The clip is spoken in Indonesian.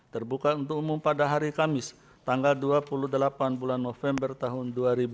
terbuka untuk umum pada hari kamis tanggal dua puluh delapan bulan november tahun dua ribu dua puluh